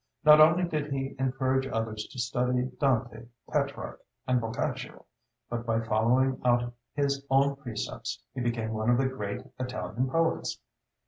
Not only did he encourage others to study Dante, Petrarch, and Boccaccio, but by following out his own precepts he became one of the great Italian poets.